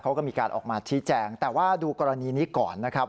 เขาก็มีการออกมาชี้แจงแต่ว่าดูกรณีนี้ก่อนนะครับ